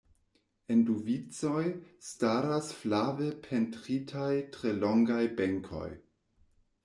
En du vicoj staras flave pentritaj tre longaj benkoj.